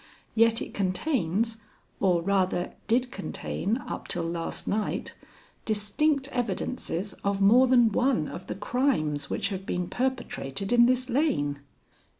Yet it contains, or rather did contain up till last night, distinct evidences of more than one of the crimes which have been perpetrated in this lane."